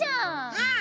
うん。